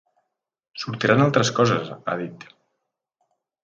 Sortiran altres coses, ha dit.